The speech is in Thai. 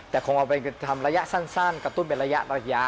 แต่คงเอาไปทำระยะสั้นกระตุ้นเป็นระยะ